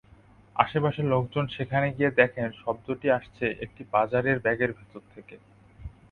আশপাশের লোকজন সেখানে গিয়ে দেখেন শব্দটি আসছে একটি বাজারের ব্যাগের ভেতর থেকে।